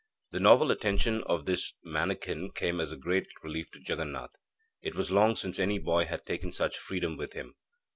The novel attentions of this manikin came as a great relief to Jaganath. It was long since any boy had taken such freedom with him.